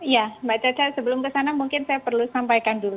ya mbak caca sebelum ke sana mungkin saya perlu sampaikan